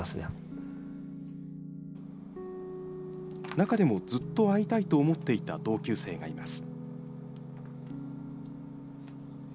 中でもずっと会いたいと思っていた同級生がいます。